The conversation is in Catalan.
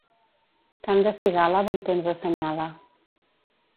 Cant de cigala bon temps assenyala.